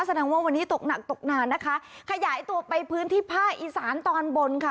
แสดงว่าวันนี้ตกหนักตกนานนะคะขยายตัวไปพื้นที่ภาคอีสานตอนบนค่ะ